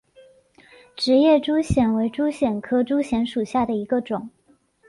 直叶珠藓为珠藓科珠藓属下的一个种。